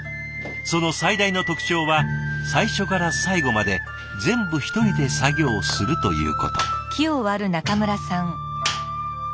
その最大の特徴は最初から最後まで全部一人で作業するということ。